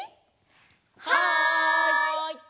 はい！